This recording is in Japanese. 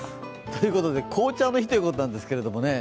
ということで紅茶の日ということなんですけどね。